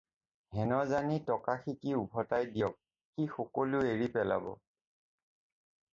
হেন জানি টকা-সিকা ওভতাই দিয়ক, সি সকলো এৰি পেলাব।